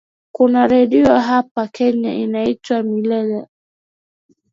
Kuna redio hapa Kenya inaitwa Milele.